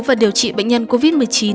và điều trị bệnh nhân covid một mươi chín